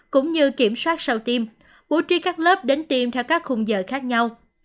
cũng như kiểm soát sau tiêm bố trí các lớp đến tiêm theo các khung giờ khác nhau